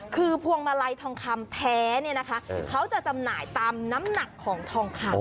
คือพวงมาลัยทองคำแท้เนี่ยนะคะเขาจะจำหน่ายตามน้ำหนักของทองคำ